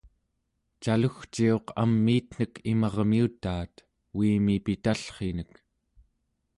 calugciuq amiitnek imarmiutaat uimi pitallrinek